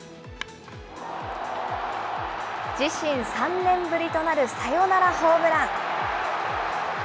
自身３年ぶりとなるサヨナラホームラン。